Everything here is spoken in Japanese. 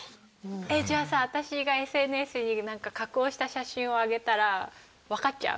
じゃあさ私がＳＮＳに加工した写真を上げたら分かっちゃう？